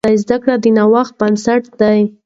زده کړه د نوښت بنسټ دی.